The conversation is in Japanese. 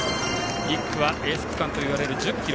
１区はエース区間といわれる１０ｋｍ。